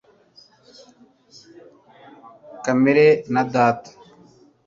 kamere na data